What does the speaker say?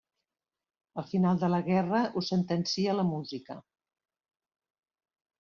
El final de la guerra ho sentencia la música.